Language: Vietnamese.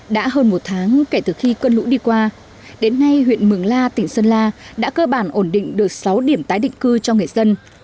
đã hơn một tháng kể từ khi cơn lũ đi qua đến nay huyện mường la tỉnh sơn la đã cơ bản ổn định được sáu điểm tái định cư cho người dân